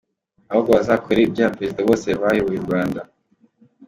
Ahubwo bazakore iby' Abaperezida bose bayoboye u Rwanda.